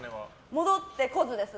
戻ってこずです。